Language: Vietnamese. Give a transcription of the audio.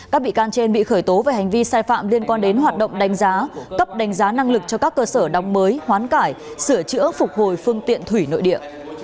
các bị can trên bị khởi tố về hành vi sai phạm liên quan đến hoạt động đánh giá cấp đánh giá năng lực cho các cơ sở đóng mới hoán cải sửa chữa phục hồi phương tiện thủy nội địa